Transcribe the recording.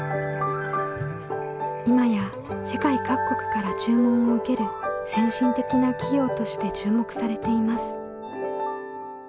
今や世界各国から注文を受ける先進的な企業として注目されています。